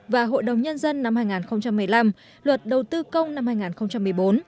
và hội đồng nhân dân năm hai nghìn một mươi năm luật đầu tư công năm hai nghìn một mươi bốn